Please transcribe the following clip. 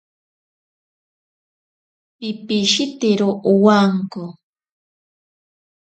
Pipishitero awanko.